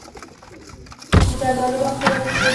د زردالو باغ ته ورسېد.